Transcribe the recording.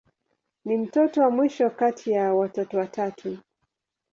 Ni mtoto wa mwisho kati ya watoto watatu.